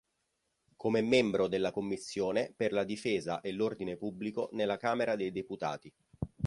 Come membro della commissione per la difesa e l'ordine pubblico nella Camera dei Deputati.